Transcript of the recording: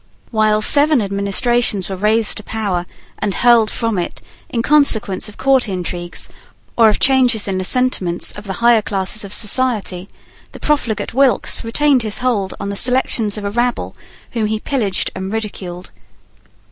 While seven administrations were raised to power and hurled from it in consequence of court intrigues or of changes in the sentiments of the higher classes of society, the profligate Wilkes retained his hold on the selections of a rabble whom he pillaged and ridiculed.